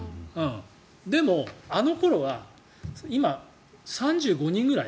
でも、あの頃は今、３５人ぐらい？